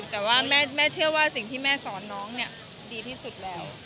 แต่ว่าแม่เชื่อว่าสิ่งที่แม่สอนน้องเนี่ยดีที่สุดแล้ว